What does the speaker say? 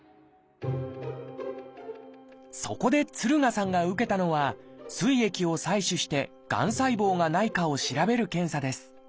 そこで敦賀さんが受けたのは膵液を採取してがん細胞がないかを調べる検査です。